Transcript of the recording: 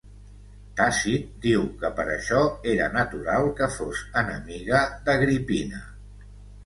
Tàcit diu que per això era natural que fos enemiga d'Agripina.